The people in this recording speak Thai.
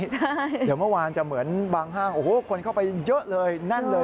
เดี๋ยวเมื่อวานจะเหมือนบางห้างโอ้โหคนเข้าไปเยอะเลยแน่นเลย